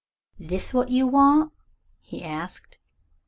"This what you want?" he asked.